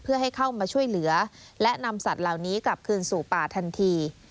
เพื่อให้เข้ามาช่วยเหลือและนำสัตว์เหล่านี้กลับคืนสู่ป่าทันที